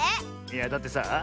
いやだってさあ